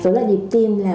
dối loạn nhịp tim là